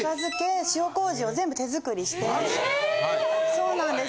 そうなんです。